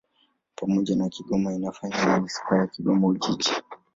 Pamoja na Kigoma inafanya manisipaa ya Kigoma-Ujiji.